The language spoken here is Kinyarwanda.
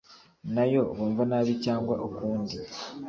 nayo bumva nabi cyangwa ukundi